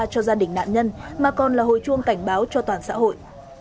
cho gia đình nạn nhân mà còn là hồi chuông cảnh báo cho toàn xã hội